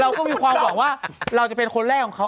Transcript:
เราก็มีความหวังว่าเราจะเป็นคนแรกของเขา